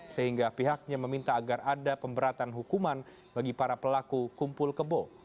sehingga pihaknya meminta agar ada pemberatan hukuman bagi para pelaku kumpul kebo